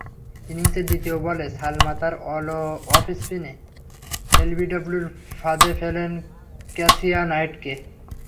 ইনিংসের দ্বিতীয় বলে সালমা তাঁর অফস্পিনে এলবিডব্লুর ফাঁদে ফেলেন ক্যাসিয়া নাইটকে।